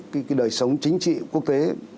cái đời sống chính trị quốc tế